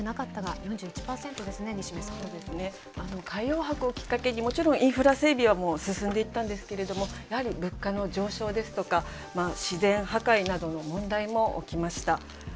そうですね海洋博をきっかけにもちろんインフラ整備はもう進んでいったんですけれどもやはり物価の上昇ですとか自然破壊などの問題も起きました。